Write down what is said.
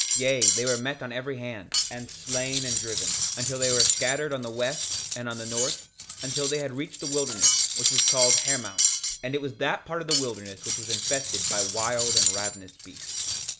2:37 Yea, they were met on every hand, and slain and driven, until they were scattered on the west, and on the north, until they had reached the wilderness, which was called Hermounts; and it was that part of the wilderness which was infested by wild and ravenous beasts.